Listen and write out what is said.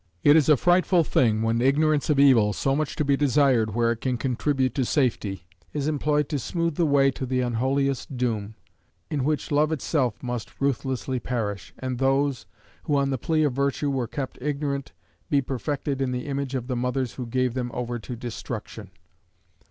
It is a frightful thing when ignorance of evil, so much to be desired where it can contribute to safety, is employed to smooth the way to the unholiest doom, in which love itself must ruthlessly perish, and those, who on the plea of virtue were kept ignorant, be perfected in the image of the mothers who gave them over to destruction.